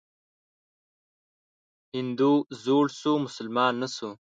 هندو زوړ شو مسلمان نه شو.